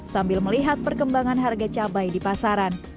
sambil melihat perkembangan harga cabai di pasaran